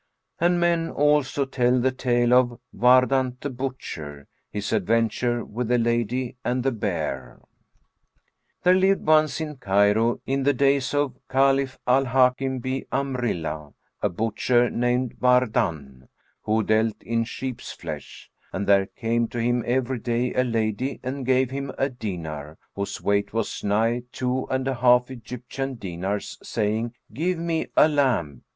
And men also tell the tale of WARDAN[FN#430] THE BUTCHER; HIS ADVENTURE WITH THE LADY AND THE BEAR. There lived once in Cairo, in the days of the Caliph Al Hбkim bi' Amri'llah, a butcher named Wardбn, who dealt in sheep's flesh; and there came to him every day a lady and gave him a dinar, whose weight was nigh two and a half Egyptian dinars, saying, "Give me a lamb."